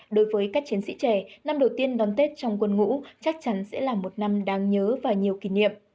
đối với các chiến sĩ trẻ năm đầu tiên đón tết trong quân ngũ chắc chắn sẽ là một năm đáng nhớ và nhiều kỷ niệm